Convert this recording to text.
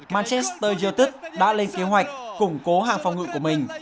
manchester youtube đã lên kế hoạch củng cố hàng phòng ngự của mình